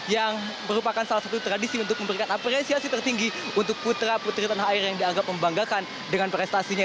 yang merupakan salah satu tradisi untuk memberikan apresiasi tertinggi untuk putra putri tanah air yang dianggap membanggakan dengan prestasinya